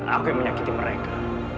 aku yang menyakiti mereka